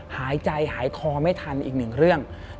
หายใจหายคอไม่ทันอีกหนึ่งเรื่อง